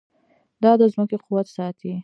دا د ځمکې قوت ساتي.